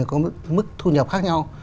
có mức thu nhập khác nhau